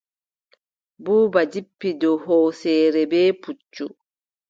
Buuba jippi dow hooseere bee puccu.